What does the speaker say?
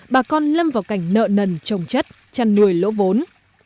bà con lâm vào cảnh nợ nần trồng chất chăn nuôi lỗ vốn